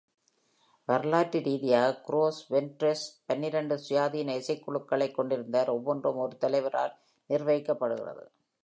வரலாற்று ரீதியாக, Gros Ventres பன்னிரண்டு சுயாதீன இசைக்குழுக்களைக் கொண்டிருந்தார், ஒவ்வொன்றும் ஒரு தலைவரால் நிர்வகிக்கப்படுகிறது.